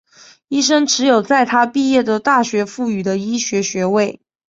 医生持有在他毕业的大学赋予的医学学位。